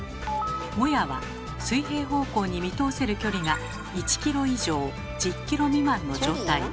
もやは水平方向に見通せる距離が１ｋｍ以上１０ｋｍ未満の状態。